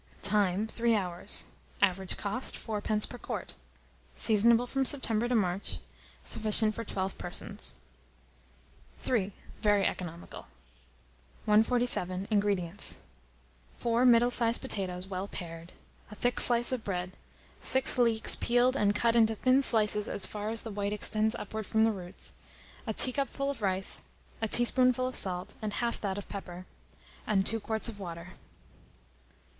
Time. 3 hours. Average cost, 4d. per quart. Seasonable from September to March. Sufficient for 12 persons. III. (Very Economical.) 147. INGREDIENTS. 4 middle sized potatoes well pared, a thick slice of bread, 6 leeks peeled and cut into thin slices as far as the white extends upwards from the roots, a teacupful of rice, a teaspoonful of salt, and half that of pepper, and 2 quarts of water.